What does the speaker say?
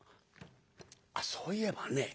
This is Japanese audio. あっそういえばね